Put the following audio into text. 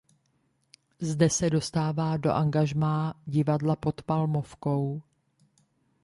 Zde se dostává do angažmá Divadla pod Palmovkou.